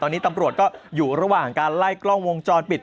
ตอนนี้ตำรวจก็อยู่ระหว่างการไล่กล้องวงจรปิด